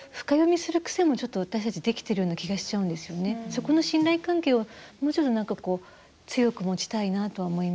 そこの信頼関係を、もうちょっと強く持ちたいなとは思います。